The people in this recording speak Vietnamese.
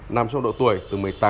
nằm trong độ tuổi từ một mươi tám